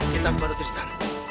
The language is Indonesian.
kita paham tristan